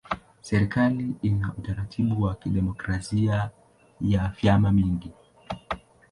Serikali ina utaratibu wa kidemokrasia ya vyama vingi.